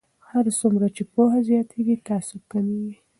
هر څومره چې پوهه زیاتیږي تعصب کمیږي.